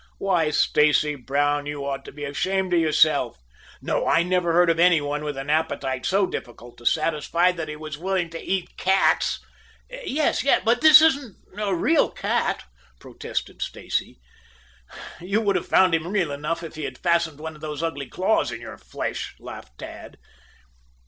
"Why, Stacy Brown, you ought to be ashamed of yourself. No, I never heard of any one with an appetite so difficult to satisfy that he was willing to eat cats " "Yes; but this isn't a real cat," protested Stacy. "You would have found him real enough if he had fastened one of those ugly claws in your flesh," laughed Tad.